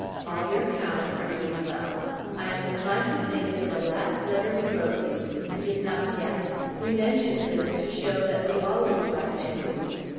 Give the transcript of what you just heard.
All your cows are doing well. I am inclined to think that the last letter we wrote you, you did not get. We mention this to show you that we always write to you.